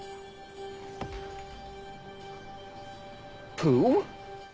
プー？